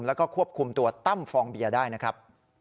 แล้วก็ควบคุมตัวตั้มฟองเบียร์ได้นะครับ